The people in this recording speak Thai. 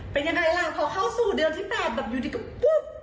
พอเข้าสู่เดือนที่๘แบบอยู่ดีกว่าปุ๊บ